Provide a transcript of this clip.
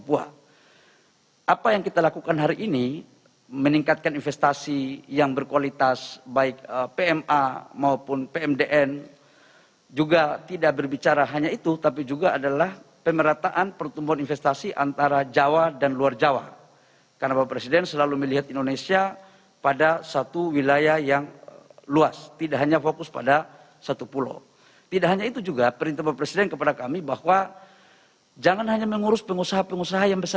bagaimana cara anda menjaga keamanan dan keamanan indonesia